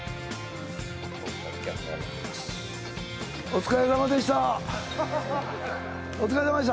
お疲れさまでした！